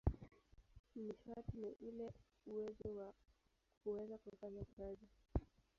Nishati ni ule uwezo wa kuweza kufanya kazi.